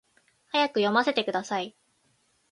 早く読ませてください